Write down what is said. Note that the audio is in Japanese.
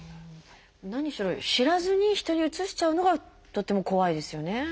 何しろ知らずに人にうつしちゃうのがとっても怖いですよね。